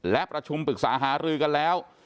และประชุมปรึกษาหารือกันแล้ว